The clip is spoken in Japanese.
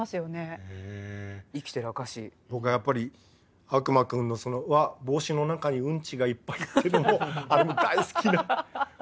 僕はやっぱり「悪魔くん」の「うわー帽子の中にうんちがいっぱい」っていうのもあれも大好きな。